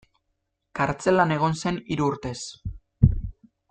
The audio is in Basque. Kartzelan egon zen hiru urtez.